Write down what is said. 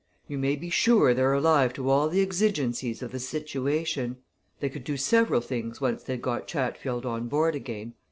"You may be sure they're alive to all the exigencies of the situation. They could do several things once they'd got Chatfield on board again.